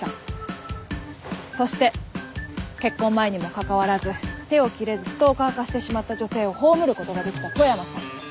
そして結婚前にもかかわらず手を切れずストーカー化してしまった女性を葬る事ができた富山さん。